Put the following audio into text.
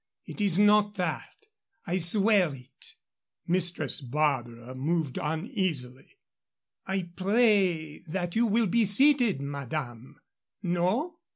It is not that I swear it!" Mistress Barbara moved uneasily. "I pray that you will be seated, madame. No?